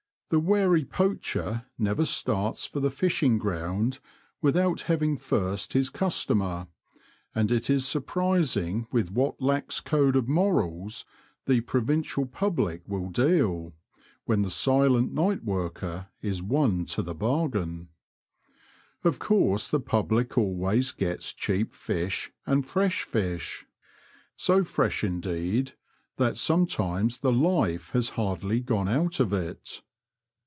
The wary poacher never starts for the fishing ground without having first his customer ; and it is surprising with what lax code of morals the provincial public will deal, when the silent night worker is one to the bargain. Of course the pubhc always gets cheap fish and fresh fish, so fresh indeed that sometimes the life has hardly gone out of it.